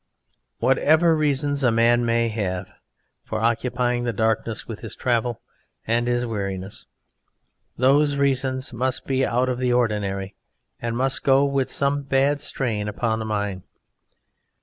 Whatever reasons a man may have for occupying the darkness with his travel and his weariness, those reasons must be out of the ordinary and must go with some bad strain upon the mind.